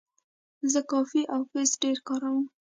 زه کاپي او پیسټ ډېر کاروم.